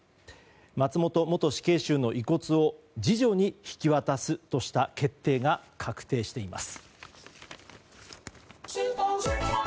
松本元死刑囚の遺骨を次女に引き渡すとした決定が確定しています。